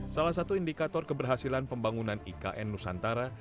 salah satu indikator keberhasilan pembangunan ikn nusantara